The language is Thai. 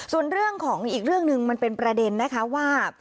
ส่วนเรื่องของอีกเรื่องหนึ่งมันเป็นประเด็นนะคะว่า